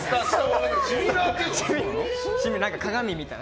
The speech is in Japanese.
鏡みたいな。